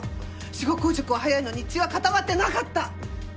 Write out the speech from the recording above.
死後硬直は早いのに血は固まってなかった！